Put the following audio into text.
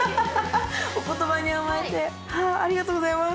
お言葉に甘えてありがとうございます。